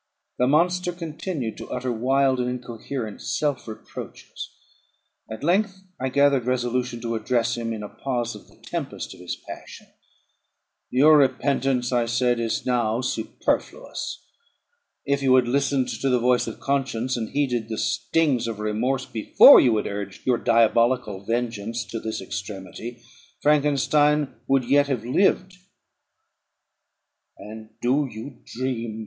The monster continued to utter wild and incoherent self reproaches. At length I gathered resolution to address him in a pause of the tempest of his passion: "Your repentance," I said, "is now superfluous. If you had listened to the voice of conscience, and heeded the stings of remorse, before you had urged your diabolical vengeance to this extremity, Frankenstein would yet have lived. "And do you dream?"